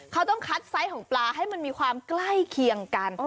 เขาต้องคัดไซส์ของปลาให้มันมีความใกล้เคียงกัน